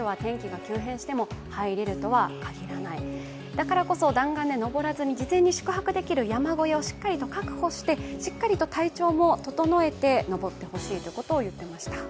だからこそ弾丸で登らずに事前に予約できる山小屋をしっかりと確保して、しっかりと体調も整えて、登ってほしいということも言っていました。